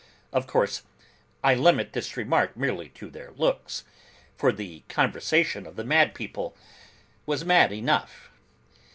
Of course I limit this remark merely to their looks; for the conversation of the mad people was mad enough.